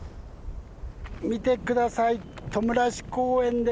見て下さいトムラウシ公園です。